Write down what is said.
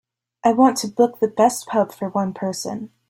I want to book the best pub for one person.